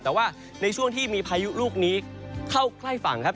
แต่ว่าในช่วงที่มีพายุลูกนี้เข้าใกล้ฝั่งครับ